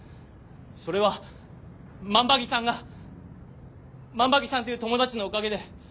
それは万場木さんが万場木さんという友達のおかげで。